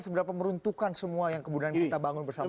seberapa meruntuhkan semua yang kemudian kita bangun bersama